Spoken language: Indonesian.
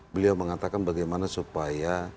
beliau mengatakan bagaimana supaya